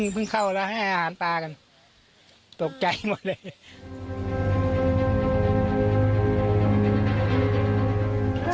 เพิ่งเข้าแล้วให้อาหารปลากันตกใจหมดเลย